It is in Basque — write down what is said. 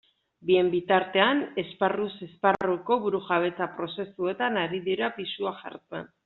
Bien bitartean, esparruz esparruko burujabetza prozesuetan ari dira pisua jartzen.